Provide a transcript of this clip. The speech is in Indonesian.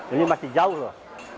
ini masih jauh